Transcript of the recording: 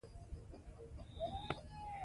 د جوارو اوړو ډوډۍ هم صحي انتخاب دی.